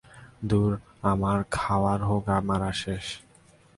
ধুর, আমার খাওয়ার হোগা মারা শেষ।